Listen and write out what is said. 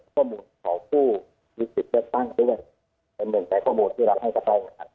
ข้อมูลของผู้มีสิทธิ์เลือกตั้งด้วยเป็นหนึ่งในข้อมูลที่เราให้เข้าไปนะครับ